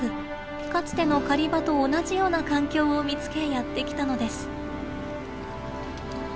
かつての狩場と同じような環境を見つけやって来たのです。